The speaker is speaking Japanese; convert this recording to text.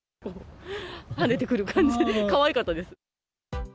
跳ねてくる感じ、かわいかったです。